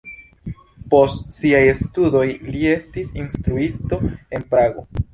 Post siaj studoj li estis instruisto en Prago.